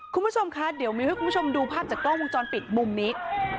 คุณผู้ชมคะเดี๋ยวมิวให้คุณผู้ชมดูภาพจากกล้องวงจรปิดมุมนี้